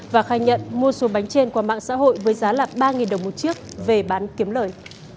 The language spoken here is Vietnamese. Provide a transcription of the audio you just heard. và khai nhận mua số bánh trên qua mạng xã hội với giá ba đồng một chiếc về bán kiếm lời